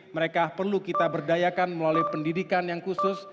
mereka perlu kita berdayakan melalui pendidikan yang khusus